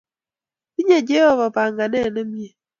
Tinye Jehova panganet ne mie.